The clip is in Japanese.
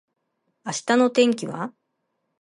明日の天気は？